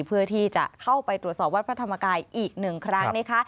เพื่อที่จะเข้าไปตรวจสอบวัดพระธรรมกายอีกหนึ่งครั้งนะคะ